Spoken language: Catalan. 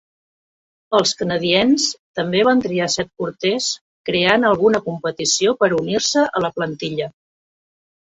Els Canadiens també van triar set porters creant alguna competició per unir-se a la plantilla.